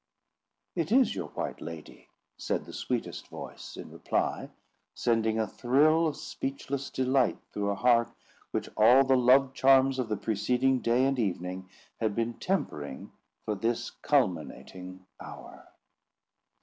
"It is your white lady!" said the sweetest voice, in reply, sending a thrill of speechless delight through a heart which all the love charms of the preceding day and evening had been tempering for this culminating hour.